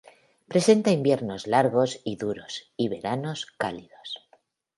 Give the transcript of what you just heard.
Presenta inviernos largos y duros y veranos cálidos.